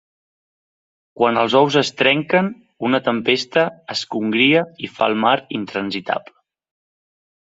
Quan els ous es trenquen una tempesta es congria i fa el mar intransitable.